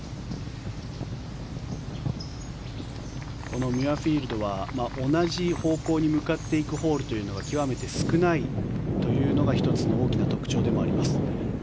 このミュアフィールドは同じ方向に向かっていくホールというのが極めて少ないというのが１つの大きな特徴でもあります。